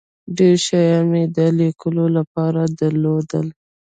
ډیر شیان مې د لیکلو له پاره درلودل.